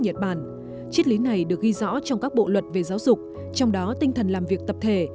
nhật bản triết lý này được ghi rõ trong các bộ luật về giáo dục trong đó tinh thần làm việc tập thể